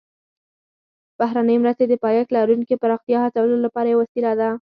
بهرنۍ مرستې د پایښت لرونکي پراختیا هڅولو لپاره یوه وسیله ده